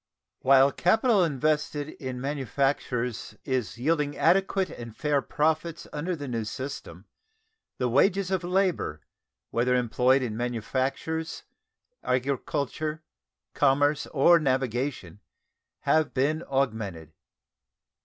While capital invested in manufactures is yielding adequate and fair profits under the new system, the wages of labor, whether employed in manufactures, agriculture, commerce, or navigation, have been augmented.